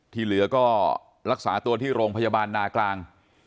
ที่เหลือก็รักษาตัวที่โรงพยาบาลนากลาง